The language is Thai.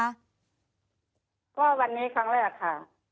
ก็วันนี้ครั้งแรกค่ะ